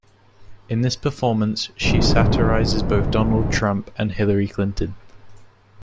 In this performance, she satirizes both Donald Trump and Hillary Clinton.